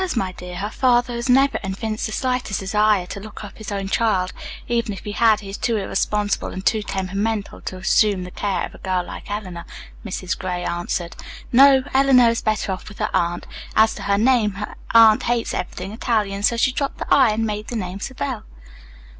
"Because, my dear, her father has never evinced the slightest desire to look up his own child. Even if he had, he is too irresponsible and too temperamental to assume the care of a girl like Eleanor," Mrs. Gray answered. "No, Eleanor is better off with her aunt. As to her name, her aunt hates everything Italian, so she dropped the 'I' and made the name Savell."